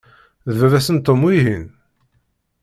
D baba-s n Tom, wihin?